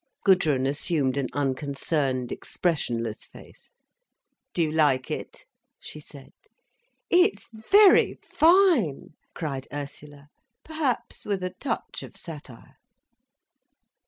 Gudrun assumed an unconcerned, expressionless face. "Do you like it?" she said. "It's very fine!" cried Ursula, perhaps with a touch of satire.